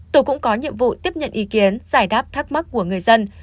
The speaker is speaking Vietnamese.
tổ cũng có nhiệm vụ tiếp nhận ý kiến giải đáp thắc mắc của người dân